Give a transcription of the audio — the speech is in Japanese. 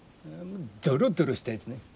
ドロドロしたやつね。